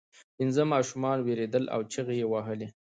پنځه ماشومان ویرېدل او چیغې یې وهلې.